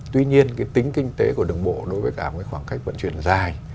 tuy nhiên tính kinh tế của đường bộ đối với khoảng cách vận chuyển dài